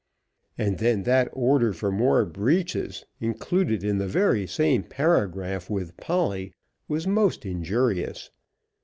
And then that order for more breeches, included in the very same paragraph with Polly, was most injurious.